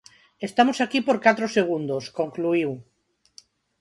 Estamos aquí por catro segundos, concluíu.